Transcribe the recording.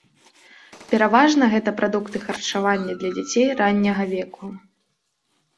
Пераважна гэта прадукты харчавання для дзяцей ранняга веку.